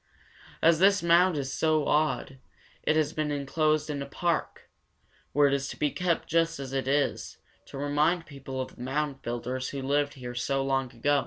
As this mound is so odd, it has been inclosed in a park, where it is to be kept just as it is, to remind people of the mound builders who lived here so long ago.